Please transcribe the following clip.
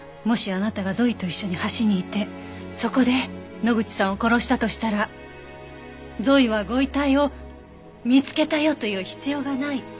もしあなたがゾイと一緒に橋にいてそこで野口さんを殺したとしたらゾイはご遺体を「見つけたよ」と言う必要がない。